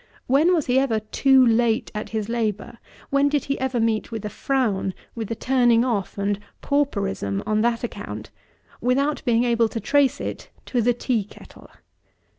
When was he ever too late at his labour; when did he ever meet with a frown, with a turning off, and pauperism on that account, without being able to trace it to the tea kettle?